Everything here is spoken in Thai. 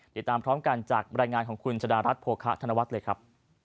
ติดตามพร้อมกันจากบรรยายงานของคุณชะดารัฐโภคะธนวัฒน์เลยครับ